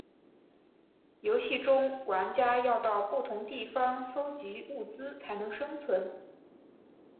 游戏中玩家要到不同地方搜集物资才能生存。